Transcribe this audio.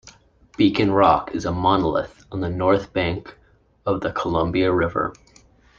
Beacon Rock is a monolith on the north bank of the Columbia River.